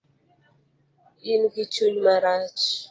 Ingi chuny marach